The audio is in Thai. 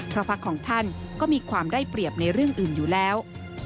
เพราะพักของท่านก็มีความได้เปรียบในเรื่องอื่นอยู่แล้ว